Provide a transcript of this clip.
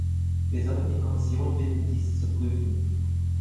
Wir sollten die Kommission bitten, dies zu prüfen.